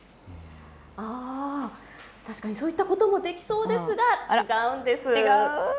あ、確かにそういったこともできそうですが、違うんです。